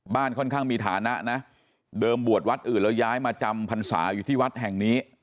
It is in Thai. ค่อนข้างมีฐานะนะเดิมบวชวัดอื่นแล้วย้ายมาจำพรรษาอยู่ที่วัดแห่งนี้